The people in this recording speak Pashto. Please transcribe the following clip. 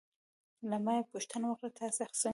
له ما یې پوښتنه وکړل: تاسې څنګه یاست؟